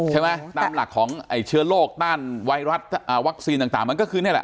ใช่ไหมตามหลักของไอ้เชื้อโรคต้านวิรัติวัคซีนต่างมันก็คือนี่แหละ